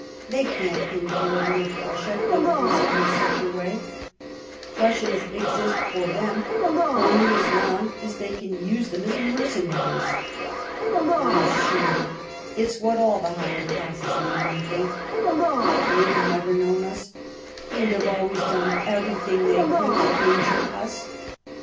They can't endure little Prussia increasing in such a way ; Prussians exist for them only as long as thty can 221 Bismarck use them as mercenaries. I'm sure of it ; it's what all the higher class in England thinks. They've never known us, and have always done everything they could to injure us.